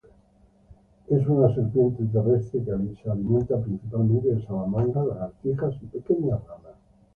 Es una serpiente terrestre que se alimenta principalmente de salamandras, lagartijas y pequeñas ranas.